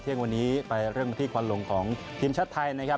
เที่ยงวันนี้ไปเริ่มกันที่ควันหลงของทีมชาติไทยนะครับ